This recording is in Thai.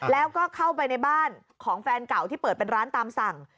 แล้วก็เข้าไปในบ้านของแฟนเก่าที่เปิดเป็นร้านตามสั่ง